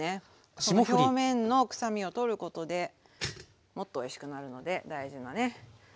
表面の臭みをとることでもっとおいしくなるので大事なね